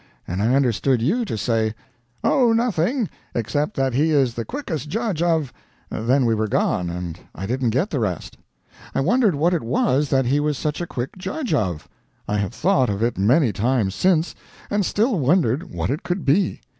and I understood you to say, 'Oh, nothing, except that he is the quickest judge of ' Then we were gone, and I didn't get the rest. I wondered what it was that he was such a quick judge of. I have thought of it many times since, and still wondered what it could be.